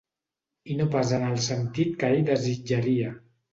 I no pas en el sentit que ell desitjaria.